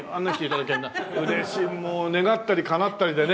もう願ったりかなったりでね。